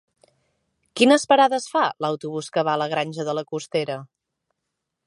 Quines parades fa l'autobús que va a la Granja de la Costera?